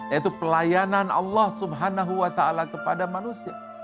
yaitu pelayanan allah subhanahu wa ta'ala kepada manusia